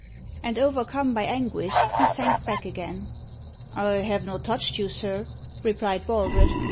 And overcome by anguish, he sank back again. "I have not touched you, sir," replied Baldred.